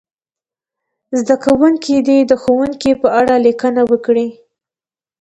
زده کوونکي دې د ښوونکي په اړه لیکنه وکړي.